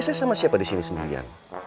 saya sama siapa di sini sendirian